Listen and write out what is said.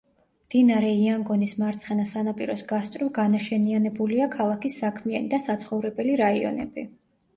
მდინარე იანგონის მარცხენა სანაპიროს გასწვრივ განაშენიანებულია ქალაქის საქმიანი და საცხოვრებელი რაიონები.